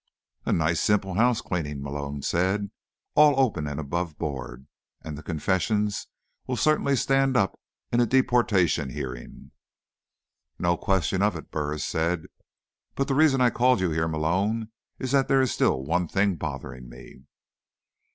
"A nice, simple housecleaning," Malone said. "All open and above board. And the confessions will certainly stand up in a deportation hearing." "No question of it," Burris said. "But the reason I called you here, Malone, is that there's still one thing bothering me."